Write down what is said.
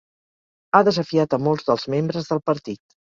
Ha desafiat a molts dels membres del partit.